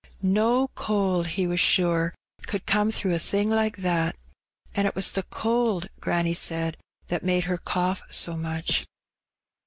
No cold, he was sure, could come through a thing like that; and it was the cold, granny said, that made her cough so much.